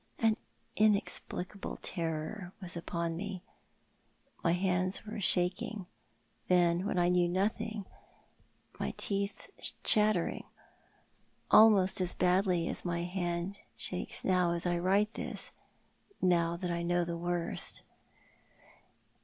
An inexplicable terror was upon me. My hands were shaking then, when I knew nothing, my teeth chattering, almost as Cora expatiates. 285 badly as my hand sliakes uo^v, as I write this, now that I know the worst.